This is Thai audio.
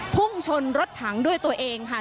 พุ่งชนรถถังด้วยตัวเองค่ะ